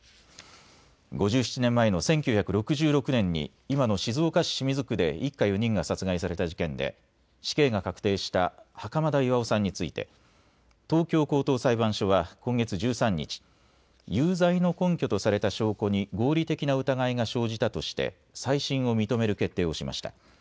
５７年前の１９６６年に今の静岡市清水区で一家４人が殺害された事件で死刑が確定した袴田巌さんについて東京高等裁判所は今月１３日、有罪の根拠とされた証拠に合理的な疑いが生じたとして再審を認める決定をしました。